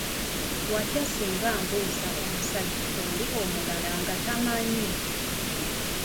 Watya singa mbuuza omusajja oli omulala nga tamanyi?